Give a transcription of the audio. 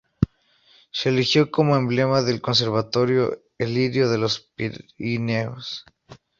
Se eligió como emblema del conservatorio, el lirio de los Pirineos.